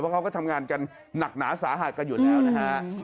เพราะเขาก็ทำงานกันหนักหนาสาหัสกันอยู่แล้วนะฮะ